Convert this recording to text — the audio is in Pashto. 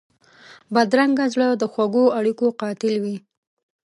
بدرنګه زړه د خوږو اړیکو قاتل وي